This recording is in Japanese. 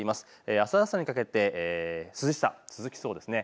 あす朝にかけて涼しさ続きそうです。